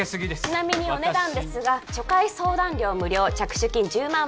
ちなみにお値段ですが初回相談料無料着手金１０万